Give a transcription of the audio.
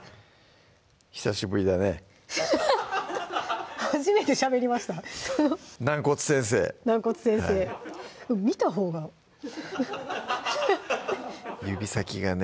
久しぶりだね初めてしゃべりました軟骨先生見たほうが指先がね